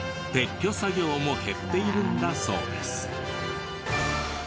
撤去作業も減っているんだそうです。